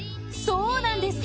そうなんです。